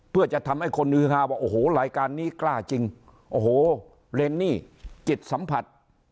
เพื่อจะทำให้คนฮือฮาว่าโอ้โหรายการนี้กล้าจริงโอ้โหเรนนี่จิตสัมผัส